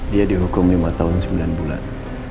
dia dihukum lima tahun sembilan bulan